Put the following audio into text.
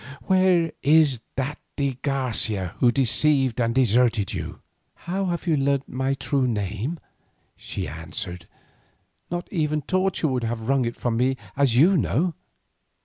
"Where is that de Garcia who deceived and deserted you?" "How have you learnt his true name?" she answered. "Not even torture would have wrung it from me as you know."